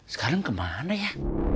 sekarang kemana ya